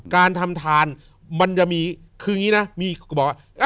การทำทานมันจะมีคือแบบ